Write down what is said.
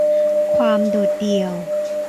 ความโดดเดี่ยว